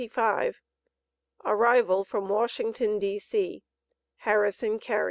ARRIVAL FROM WASHINGTON, D.C. HARRISON CARY.